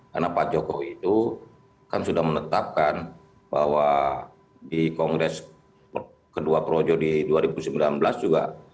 karena pak jokowi itu kan sudah menetapkan bahwa di kongres kedua projo di dua ribu sembilan belas juga